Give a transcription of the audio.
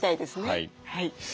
はい。